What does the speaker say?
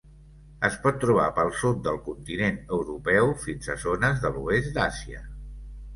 Es pot trobar pel sud del continent europeu fins a zones de l'oest d'Àsia.